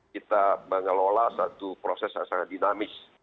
kita mengelola satu proses yang sangat dinamis